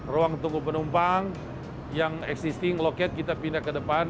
ruang tunggu penumpang yang existing loket kita pindah ke depan